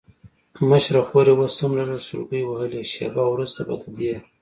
مشره خور یې اوس هم لږ لږ سلګۍ وهلې، شېبه وروسته به د دې.